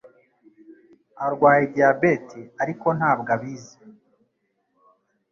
arwaye diyabeti ariko ntabwo abizi